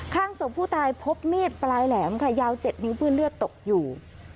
ข้างศพผู้ตายพบมีดปลายแหลมค่ะยาว๗นิ้วเปื้อนเลือดตกอยู่